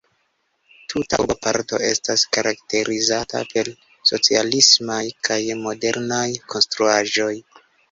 Tuta urboparto estas karakterizata per socialismaj kaj modernaj konstruaĵoj.